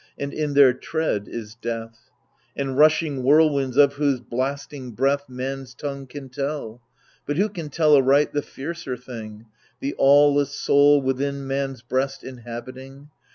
And in their tread is death ; And rushing whirlwinds, of whose blasting breath Man's tongue can tell. But who can tell aright the fiercer thing, The aweless soul, within man's breast inhabiting